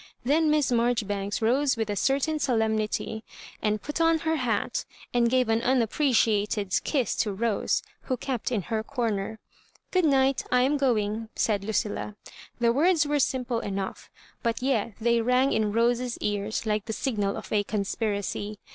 Then Miss Mar joribanks rose with a certain solemnity, and put on her hat, and gave an unappreciated kiss to Rose, who kept in her comer. "Good night; I am going," said Lucilla. The words were sim ple enough, but yet they rang in Rosens ears like the signal of a conspiracy.